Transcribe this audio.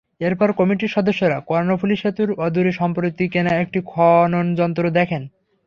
এরপর কমিটির সদস্যরা কর্ণফুলী সেতুর অদূরে সম্প্রতি কেনা একটি খননযন্ত্র দেখেন।